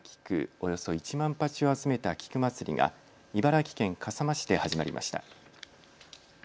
およそ１万鉢を集めた菊まつりが茨城県笠間市で始まりました。